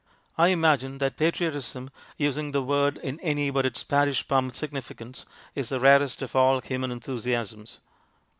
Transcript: I imagine that patriotism, using the word in any but its parish pump significance^ is the rarest of all human enthusiasms.